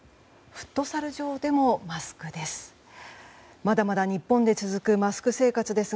フットサル場でもマスクです。